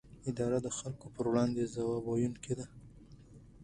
اداره د خلکو پر وړاندې ځواب ویونکې ده.